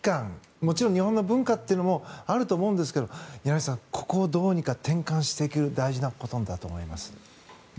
もちろん日本の文化というのもあると思うんですけど柳澤さんここをどうにか転換していく大事なことだと思います。